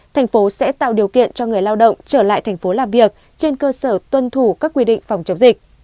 thành phố sẽ tạo điều kiện cho người lao động trở lại thành phố làm việc trên cơ sở tuân thủ các quy định phòng chống dịch